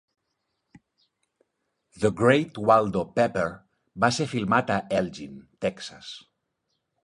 "The Great Waldo Pepper" va ser filmat a Elgin, Texas.